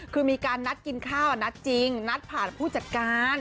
คือมีการนัดกินข้าวนัดจริงนัดผ่านผู้จัดการ